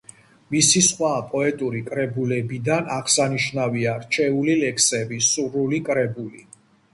მისი სხვა პოეტური კრებულებიდან აღსანიშნავია „რჩეული ლექსები“, „სრული კრებული“.